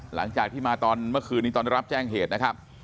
หลังจากที่มาตอนเมื่อคืนนี้ตอนได้รับแจ้งเหตุนะครับ